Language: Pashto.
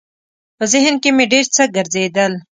په ذهن کې مې ډېر څه ګرځېدل.